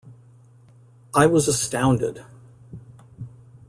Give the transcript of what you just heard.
"I was astounded".